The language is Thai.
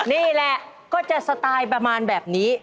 นี่แหละก็จะสไตล์ประมาณแบบนี้